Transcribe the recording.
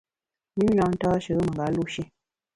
Nyü na ntashe menga lu shi.